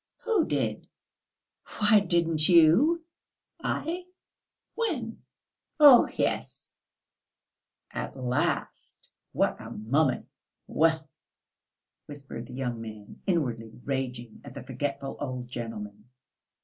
"Who did?" "Why, didn't you?" "I? When?" "Oh, yes!..." "At last! What a mummy! Well!" whispered the young man, inwardly raging at the forgetful old gentleman.